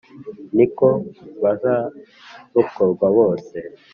ni ko bazarokorwa bose